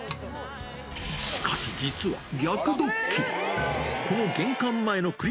しかし実は逆ドッキリ。